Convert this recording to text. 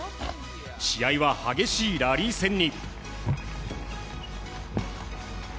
試合は激しいラリー戦に。